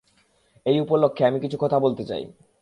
এই উপলক্ষে, আমি কিছু কথা বলতে চাই।